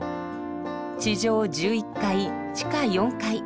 地上１１階地下４階。